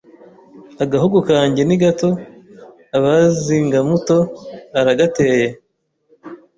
Agahugu kange ni gato Abazingamuto aragateye